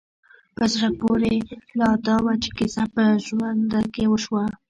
په زړه پورې لا دا وه چې کيسه په ژرنده کې وشوه.